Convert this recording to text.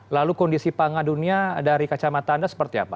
lalu kondisi pangan dunia dari kacamata anda seperti apa